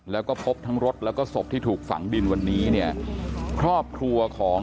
แล้วก็พบทั้งรถแล้วก็ศพที่ถูกฝังดินวันนี้เนี่ยครอบครัวของ